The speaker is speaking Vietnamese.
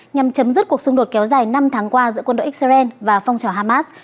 nhằm chấm dứt cuộc xung đột kéo dài năm tháng qua giữa quân đội israel và phong trào hamas